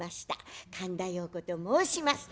神田陽子と申します。